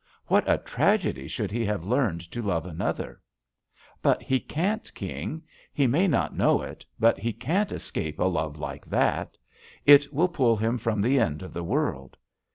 What a tragedy should he have learned to love anotherl" "But he can't, King I He may not know JUST SWEETHEARTS it, but he can't escape a love like that. It will pull him from the end of the world.